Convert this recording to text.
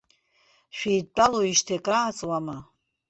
Шәеидтәалоуижьҭеи акрааҵуама?